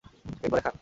পেট ভরে খান!